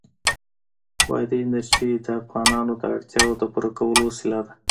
بادي انرژي د افغانانو د اړتیاوو د پوره کولو وسیله ده.